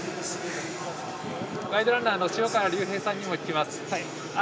ガイドランナーの塩川竜平さんにも聞きます。